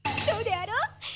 そうであろうっ？